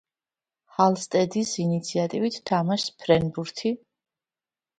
ჰალსტედის ინიციატივით თამაშს ფრენბუთი